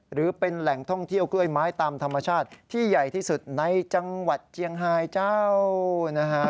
หรือเป็นแหล่งท่องเที่ยวกล้วยไม้ตามธรรมชาติที่ใหญ่ที่สุดในจังหวัดเจียงไฮเจ้านะฮะ